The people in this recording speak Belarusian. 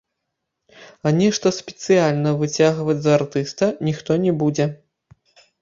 А нешта спецыяльна выцягваць з артыста ніхто не будзе.